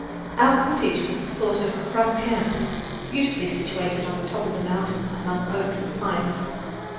Our cottage was a sort of rough camp, beautifully situated on the top of the mountain among oaks and pines.